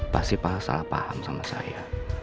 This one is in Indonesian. pasti pak salah paham sama saya